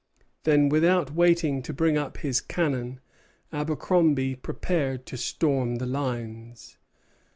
Then, without waiting to bring up his cannon, Abercromby prepared to storm the lines.